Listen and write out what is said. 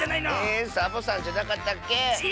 えサボさんじゃなかったっけ？